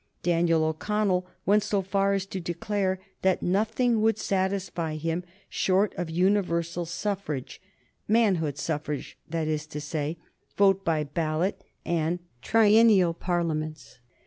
Daniel O'Connell went so far as to declare that nothing would satisfy him short of universal suffrage manhood suffrage, that is to say vote by ballot, and triennial Parliaments.